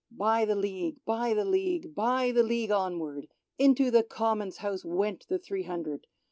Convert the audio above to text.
By the League, by the League, by the League onward. Into the Common's House went the three hundred.